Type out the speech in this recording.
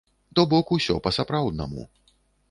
То бок усё па-сапраўднаму.